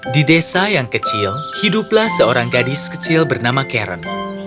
di desa yang kecil hiduplah seorang gadis kecil bernama karen